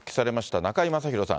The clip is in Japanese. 中居正広さん。